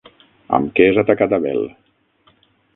Amb què és atacat Abel?